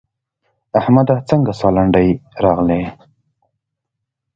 احمده څنګه سالنډی راغلې؟!